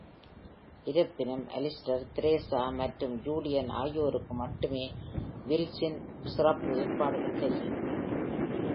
இருப்பினும், Alistair, Teresa மற்றும் Julian ஆகியோருக்கு மட்டுமே வில்ஸின் சிறப்பு ஏற்பாடுகள் தெரியும்.